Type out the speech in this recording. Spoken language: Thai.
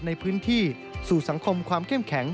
ในพื้นที่สู่สังคมความเข้มแข็ง